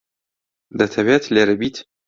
دەتەوێت لێرە بیت؟